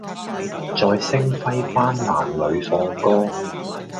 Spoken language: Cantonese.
在星輝斑斕裡放歌